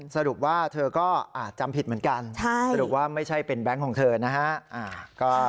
สรุปว่าเธอก็จำผิดเหมือนกันสรุปว่าไม่ใช่เป็นแบงค์ของเธอนะฮะ